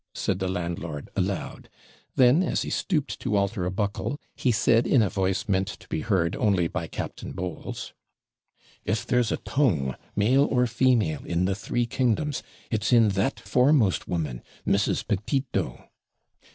said the landlord, aloud; then, as he stooped to alter a buckle, he said, in a voice meant to be heard only by Captain Bowles, 'If there's a tongue, male or female, in the three kingdoms, it's in that foremost woman, Mrs. Petito.'